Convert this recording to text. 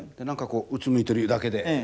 何かこううつむいてるだけで。